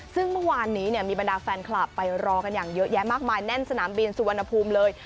ซึ่งเมื่อวานนี้มีบรรดาแฟนคลับไปรอกันอย่างเยอะแยะมากมายแน่นสนามบินสุวรรณภูมิเลย